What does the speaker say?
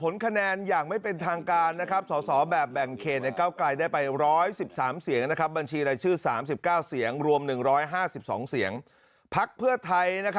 และแบบผลการเลือกตั้งความต้องได้